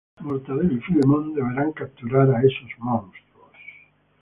Mortadelo y Filemón deberán capturar a esos monstruos.